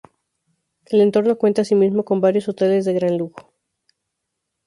El entorno cuenta asimismo con varios hoteles de gran lujo.